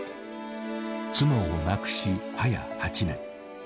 妻を亡くしはや８年。